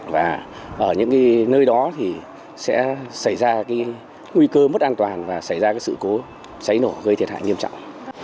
và ở những nơi đó thì sẽ xảy ra nguy cơ mất an toàn và xảy ra sự cố cháy nổ gây thiệt hại nghiêm trọng